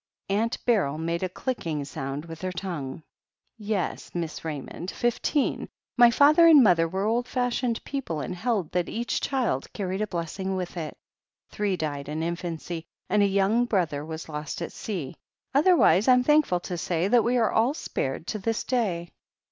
Aunt Beryl made a cUcking sound with her tongue. "Yes, Miss Ra)rmond, fifteen. My father and mother were old fashioned people, and held that each child carried a blessing with it. Three died in in fancy, and a young brother was lost at sea. Other wise Fm thankful to say that we are all spared to this day."